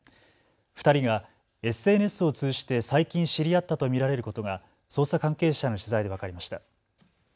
２人がＳＮＳを通じて最近知り合ったと見られることが捜査関係者への取材で分かりました。